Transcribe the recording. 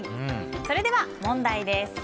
それでは問題です。